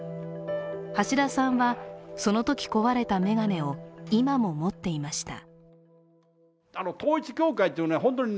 橋田さんはそのとき壊れた眼鏡を今も持っていました。